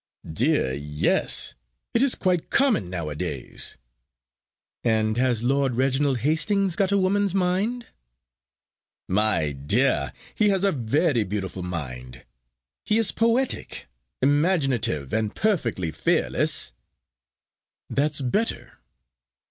"Dear yes. It is quite common nowadays." "And has Lord Reginald Hastings got a woman's mind?" "My dear, he has a very beautiful mind. He is poetic, imaginative, and perfectly fearless." "That's better."